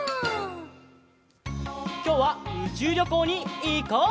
きょうはうちゅうりょこうにいこう！